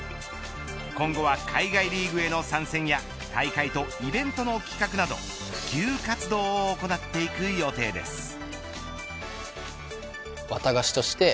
今後は海外リーグへの参戦や大会とイベントの企画など普及活動を行っていく予定です。